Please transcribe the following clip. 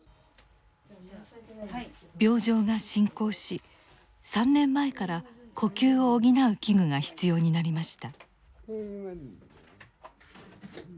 病状が進行し３年前から呼吸を補う器具が必要になりました。